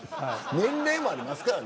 年齢もありますから。